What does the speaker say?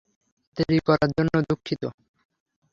দেরি করার জন্য দুঃখিত।